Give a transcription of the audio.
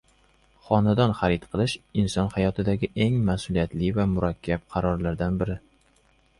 Xonadon xarid qilish inson hayotidagi eng mas’uliyatli va murakkab qarorlardan biri